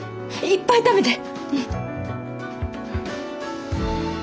いっぱい食べて！